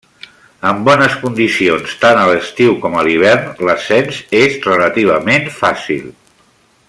En bones condicions, tant a l'estiu com a l'hivern, l'ascens és relativament fàcil.